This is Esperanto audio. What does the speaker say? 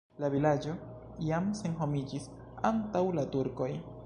La vilaĝo jam senhomiĝis antaŭ la turkoj.